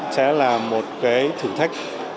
sẽ là một thử thách